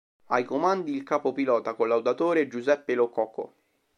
Ai comandi il capo pilota collaudatore Giuseppe Lo Coco.